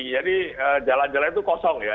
jadi jalan jalan itu kosong ya